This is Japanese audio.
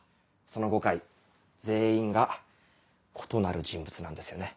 その５回全員が異なる人物なんですよね。